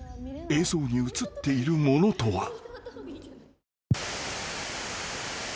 映像に写っているものとは］